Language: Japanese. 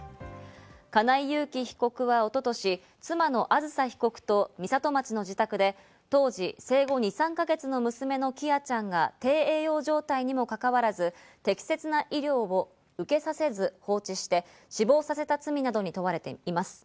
金井裕喜被告は一昨年、妻のあずさ被告と美里町の自宅で当時生後２３か月の娘の喜空ちゃんが低栄養状態にもかかわらず、適切な医療を受けさせず放置して死亡させた罪などに問われています。